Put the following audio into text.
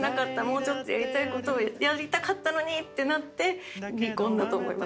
もうちょっとやりたいことやりたかったのに！ってなって離婚だと思います。